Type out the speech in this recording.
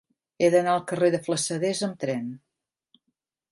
He d'anar al carrer de Flassaders amb tren.